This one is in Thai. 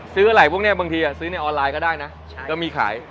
ซื้ออะไรพวกนี้บางทีซื้อในออนไลน์ก็ได้นะก็มีขาย